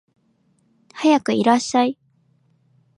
はやくいらっしゃい